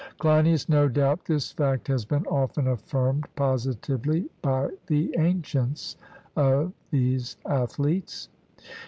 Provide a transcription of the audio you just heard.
CLEINIAS: No doubt this fact has been often affirmed positively by the ancients of these athletes.